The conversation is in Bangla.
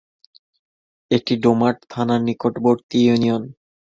এটি ডোমার থানার নিকটবর্তী ইউনিয়ন।